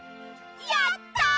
やった！